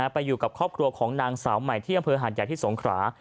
ไปอยู่กับครอบครัวของนางสาวใหม่ที่อำเภอหาดใหญ่ที่สงขรา